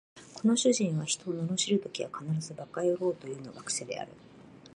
この主人は人を罵るときは必ず馬鹿野郎というのが癖である